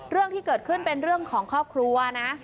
เรื่องที่เกิดขึ้นเป็นเรื่องของครอบครัวนะ